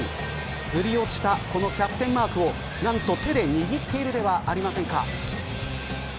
ずり落ちたこのキャプテンマークを何と、手で握っているではありませんか。